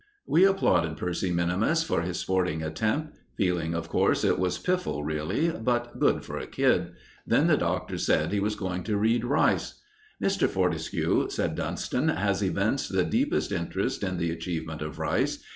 We applauded Percy minimus for his sporting attempt, feeling of course, it was piffle really, but good for a kid. Then the Doctor said he was going to read Rice. "Mr. Fortescue," said Dunston, "has evinced the deepest interest in the achievement of Rice.